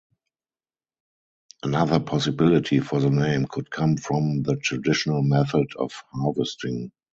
Another possibility for the name could come from the traditional method of harvesting.